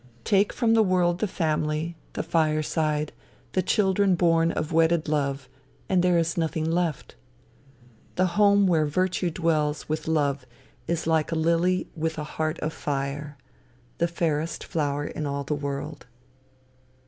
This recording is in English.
Take from the world the family, the fireside, the children born of wedded love, and there is nothing left. The home where virtue dwells with love is like a lily with a heart of fire the fairest flower in all the world.